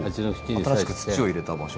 新しく土を入れた場所。